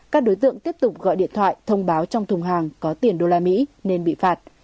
các đối tượng tiếp tục gọi điện thoại thông báo trong thùng hàng có tiền đô la mỹ nên bị phạt